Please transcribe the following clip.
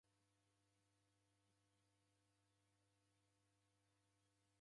W'ulongozi ghwa isanga ghuzighano.